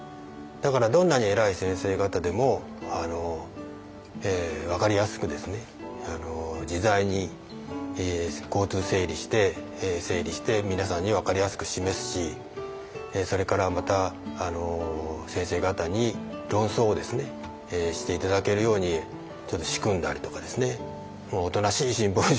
だからどんなに偉い先生方でも分かりやすく自在に交通整理して整理して皆さんに分かりやすく示すしそれからまた先生方に論争をして頂けるようにちょっと仕組んだりとかですね。